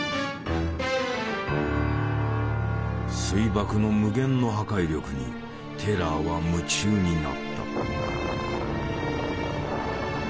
水爆の無限の破壊力にテラーは夢中になった。